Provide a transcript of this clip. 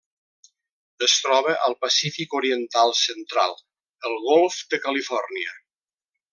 Es troba al Pacífic oriental central: el golf de Califòrnia.